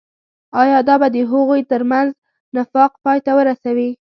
آيا دا به د هغوي تر منځ نفاق پاي ته ورسوي.